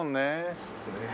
そうですね。